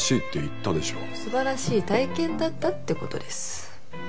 素晴らしい体験だったって事です。